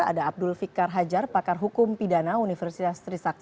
ada abdul fikar hajar pakar hukum pidana universitas trisakti